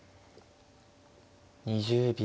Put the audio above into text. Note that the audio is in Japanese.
２０秒。